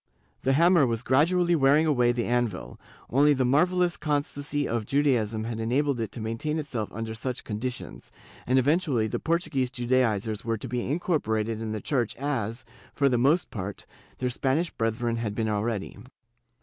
The hammer was gradually wearing away the anvil; only the marvellous constancy of Judaism had enabled it to maintain itself under such conditions, and eventually the Portuguese Judaizers were to be incorporated in the Church as, for the most part, their Spanish brethren had been already.